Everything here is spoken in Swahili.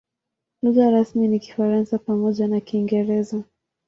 Lugha rasmi ni Kifaransa pamoja na Kiingereza.